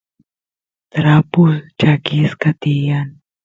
trapus chakisqa tiyan